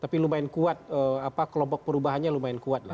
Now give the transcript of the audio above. tapi lumayan kuat kelompok perubahannya lumayan kuat lah